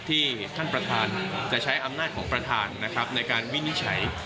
ที่ท่านประธานจะใช้อำนาจของประธานนะครับในการวินิจฉัย